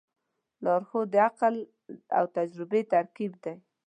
لارښود د عقل او تجربې ترکیب دی.